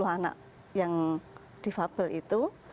anak yang defable itu